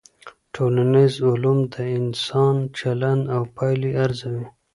ټولنيز علوم د انسان چلند او پايلي ارزوي.